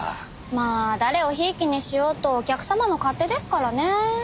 まあ誰を贔屓にしようとお客様の勝手ですからね。